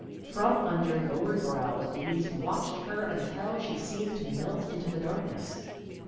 From under lowered brows Louise watched her until she seemed to melt into the darkness.